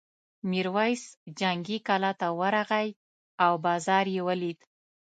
میرويس جنګي کلا ته ورغی او بازار یې ولید.